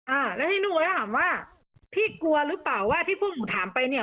อ่าแล้วทีนี้หนูก็ถามว่าพี่กลัวหรือเปล่าว่าที่พวกหนูถามไปเนี่ย